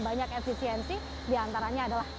banyak efisiensi diantaranya adalah